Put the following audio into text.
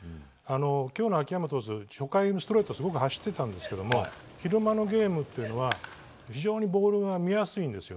今日の秋山投手初回にストレートがすごく走ってたんですけども昼間のゲームというのは非常にボールが見やすいんです。